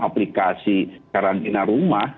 aplikasi karantina rumah